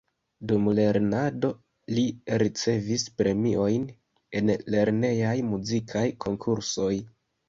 Dum lernado li ricevis premiojn en lernejaj muzikaj konkursoj.